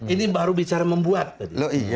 ini baru bicara membuat tadi